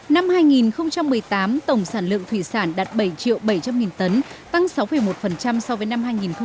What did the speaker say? năm hai nghìn một mươi tám tổng sản lượng thủy sản đạt bảy triệu bảy trăm linh nghìn tấn tăng sáu một so với năm hai nghìn một mươi bảy